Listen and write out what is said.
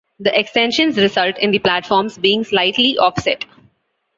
The extensions result in the platforms being slightly offset.